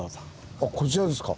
あこちらですか。